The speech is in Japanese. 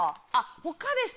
他でしたら。